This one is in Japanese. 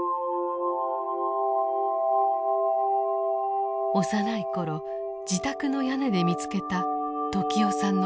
幼い頃自宅の屋根で見つけた時雄さんの名前です。